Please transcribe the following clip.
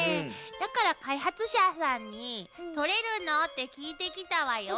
だから開発者さんに取れるの？って聞いてきたわよ。